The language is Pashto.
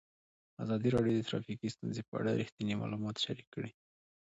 ازادي راډیو د ټرافیکي ستونزې په اړه رښتیني معلومات شریک کړي.